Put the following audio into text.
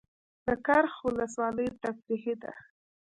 د کرخ ولسوالۍ تفریحي ده